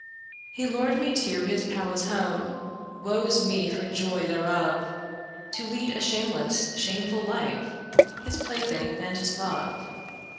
He lured me to his palace home Woe's me for joy thereof To lead a shameless shameful life, His plaything and his love.